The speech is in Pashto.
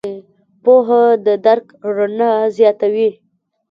پوهه د درک رڼا زیاتوي.